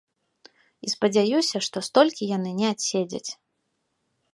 І спадзяюся, што столькі яны не адседзяць.